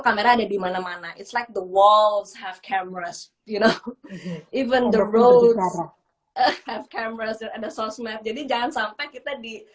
kamera ada di mana mana it's like the walls have cameras you know even the road have cameras ada sosmed jadi jangan sampai kita di